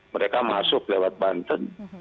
mereka masuk lewat banten